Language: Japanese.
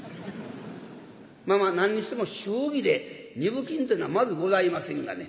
まあまあ何にしても祝儀で二分金ってのはまずございませんがね